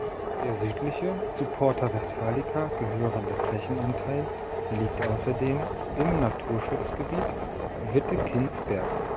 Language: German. Der südliche, zu Porta Westfalica gehörende Flächenanteil liegt außerdem im Naturschutzgebiet Wittekindsberg.